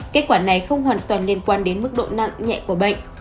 kết quả này không hoàn toàn liên quan đến mức độ nặng nhẹ của bệnh